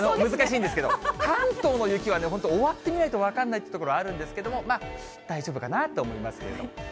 難しいんですけど、関東の雪は終わってみないと分からないというところがあるんですけれども、大丈夫かなと思いますけれども。